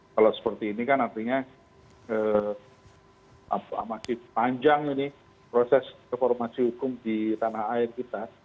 kalau seperti ini kan artinya masih panjang ini proses reformasi hukum di tanah air kita